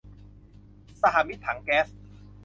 สหมิตรถังแก๊ส